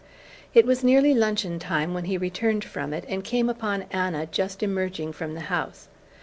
It was nearly luncheon time when he returned from it and came upon Anna just emerging from the house.